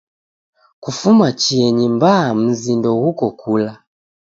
Kufuma chienyi mbaa mzi ndeghuko kula.